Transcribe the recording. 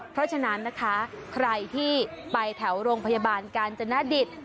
เพราะฉะนั้นนะคะใครที่ไปแถวโรงพยาบาลกาญจนดิต